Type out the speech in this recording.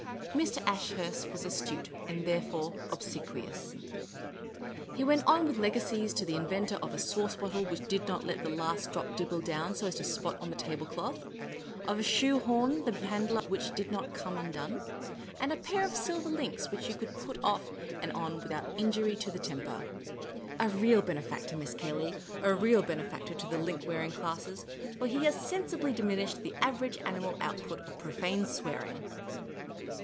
Mr. Ashurst was astute, and therefore obsequious. He went on with legacies to the inventor of a sauce bottle which did not let the last drop dribble down so as to spot the table cloth ; of a shoe horn the handle of which did not come undone ; and of a pair of sleeve links which you could put off and on without injury to the temper. " A real bene factor. Miss Cayley ; a real benefactor to the link wearing classes ; for he has sensibly diminished the average anmial output of profane swearing."